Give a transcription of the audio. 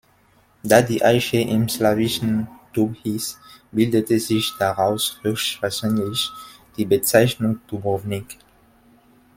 Da die Eiche im Slawischen "dub" hieß, bildete sich daraus höchstwahrscheinlich die Bezeichnung "Dubrovnik".